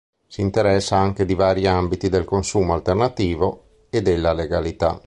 Si interessa anche di vari ambiti del consumo alternativo e della legalità.